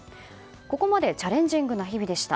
ここまでチャレンジングな日々でした。